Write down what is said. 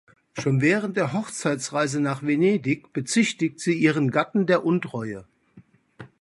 Schon während der Hochzeitsreise nach Venedig bezichtigt sie ihren Gatten der Untreue.